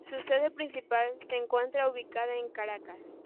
Su sede principal se encuentra ubicada en Caracas.